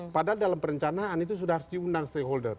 padahal dalam perencanaan itu sudah harus diundang stakeholder